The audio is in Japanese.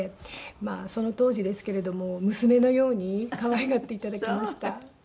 その当時ですけれども娘のように可愛がって頂きました。